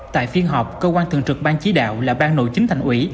tại phiên họp cơ quan thường trực ban chí đạo là ban nội chính thành ủy